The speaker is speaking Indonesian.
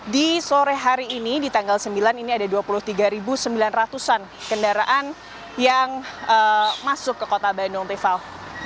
di sore hari ini di tanggal sembilan ini ada dua puluh tiga sembilan ratus an kendaraan yang masuk ke kota bandung rival